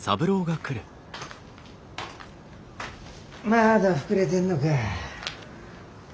まだ膨れてんのか？